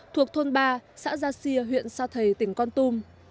thuộc thôn ba xã gia xia huyện sa thầy tỉnh con tum